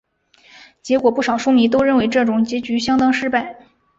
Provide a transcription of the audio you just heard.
结果不少书迷都认为这种结局相当失败。